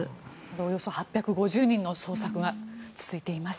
およそ８５０人の捜索が続いています。